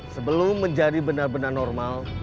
sebelum menjadi benar benar normal